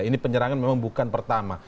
ini penyerangan memang bukan pertama